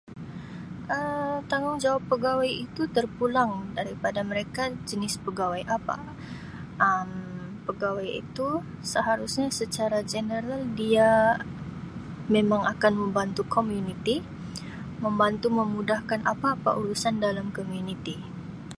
Um Tanggungjawab pegawai itu terpulang daripada mereka jenis pegawai apa Um, pegawai itu seharusnya secara 'general' dia memang akan membantu komuniti, membantu memudahkan apa-apa urusan dalam komuniti.